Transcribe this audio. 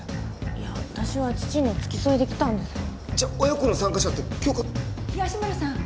いや私は父の付き添いで来たんですじゃあ親子の参加者って杏花東村さん